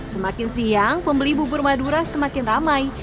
semakin siang pembeli bubur madura semakin ramai